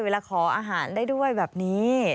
ขออาหารได้ด้วยแบบนี้